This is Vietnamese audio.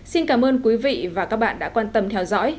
xin cảm ơn quý vị và các bạn đã quan tâm theo dõi